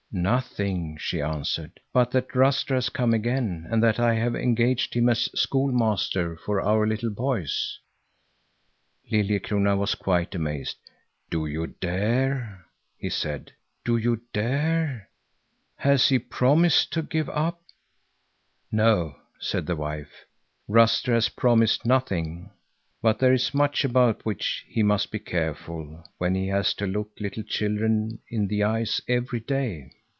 "Nothing," she answered, "but that Ruster has come again, and that I have engaged him as schoolmaster for our little boys." Liljekrona was quite amazed. "Do you dare?" he said, "do you dare? Has he promised to give up—" "No," said the wife; "Ruster has promised nothing. But there is much about which he must be careful when he has to look little children in the eyes every day.